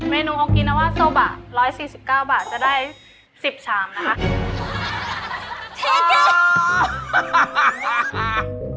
เนูโอกินาว่าโซบะ๑๔๙บาทจะได้๑๐ชามนะคะ